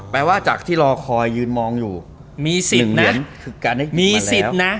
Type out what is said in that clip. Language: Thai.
แปลว่าจากที่เราคอยยืนมองอยู่มีสิทธิ์นะหนึ่งเหรียญคือการได้หยิบมาแล้วมีสิทธิ์นะ